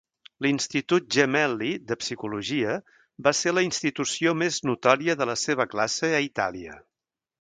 L'Institut Gemelli de Psicologia va ser la institució més notòria de la seva classe a Itàlia.